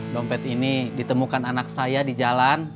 dompet ini ditemukan anak saya di jalan